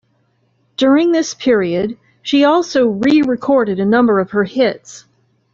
During this period, she also re-recorded a number of her hits.